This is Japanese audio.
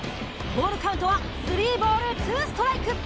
ボールカウントはスリーボールツーストライク。